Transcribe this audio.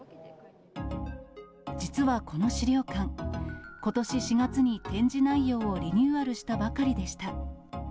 実はこの資料館、ことし４月に展示内容をリニューアルしたばかりでした。